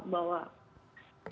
bahwa kita harus menerima